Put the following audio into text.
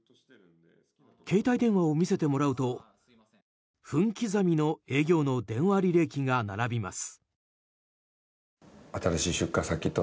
携帯電話を見せてもらうと分刻みの営業の電話履歴が並びます。